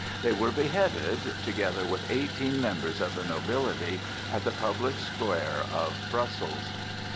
They were beheaded, together with eighteen members of the nobility, at the public square of Brussels.